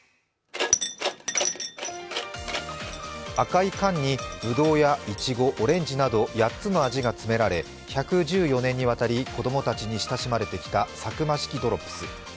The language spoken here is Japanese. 赤い缶にブドウやイチゴ、オレンジなど８つの味が詰められ１１４年にわたり子供たちに親しまれてきたサクマ式ドロップス。